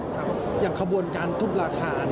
อย่างขบวนการทุบราคา